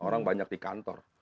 orang banyak di kantor